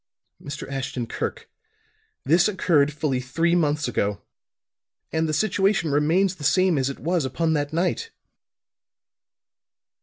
Mr. Ashton Kirk, this occurred fully three months ago, and the situation remains the same as it was upon that night."